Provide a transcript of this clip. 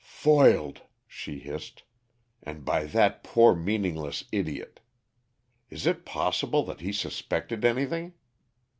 "Foiled," she hissed, "and by that poor meaningless idiot. Is it possible that he suspected anything?